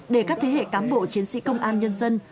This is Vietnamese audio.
để các thế hệ cán bộ chiến sĩ công an nhân dân